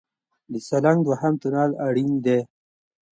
د سالنګ دویم تونل اړین دی